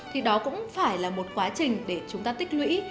thì đó cũng phải là một quá trình để chúng ta tích lũy